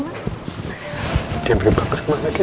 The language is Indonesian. mas dia mirip banget sama anak kita